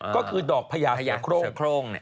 ก็คือดอกพญาโครง